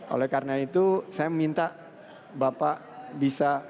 oleh karena itu saya minta bapak bisa